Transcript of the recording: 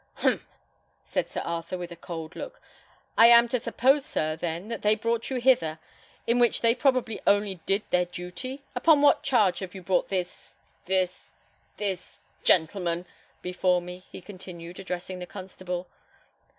"Humph!" said Sir Arthur, with a cold look. "I am to suppose, sir, then, that they brought you hither: in which they probably only did their duty? Upon what charge have you brought this this this gentleman, before me," he continued, addressing the constable.